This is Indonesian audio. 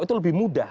itu lebih mudah